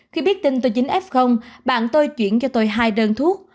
khi biết tin tôi dính f bạn tôi chuyển cho tôi hai đơn thuốc